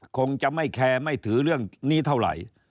คงจะไม่แคร์ไม่ถือเรื่องนี้เท่าไหร่